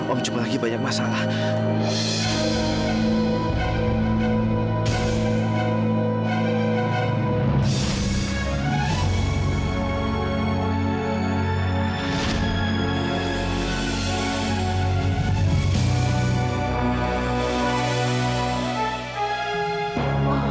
om cuma lagi banyak masalah